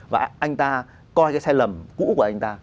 và anh ta coi cái sai lầm cũ của anh ta